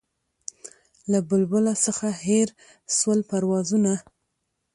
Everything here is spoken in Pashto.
له بلبله څخه هېر سول پروازونه